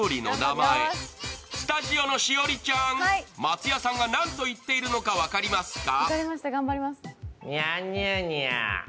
スタジオの栞里ちゃん、松也さんが何と言っているのか分かりますか？